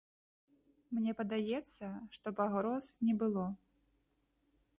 Мне падаецца, што пагроз не было.